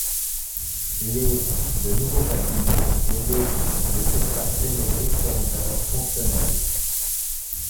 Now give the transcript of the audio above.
Les de nouveaux bâtiments et les de surfaces rénovées seront alors fonctionnels.